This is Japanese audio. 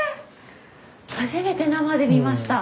初めて生で見ました。